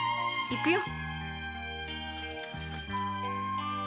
行くよ！